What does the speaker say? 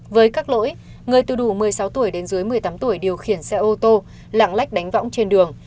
với các lỗi người từ đủ một mươi sáu tuổi đến dưới một mươi tám tuổi điều khiển xe ô tô lạng lách đánh võng trên đường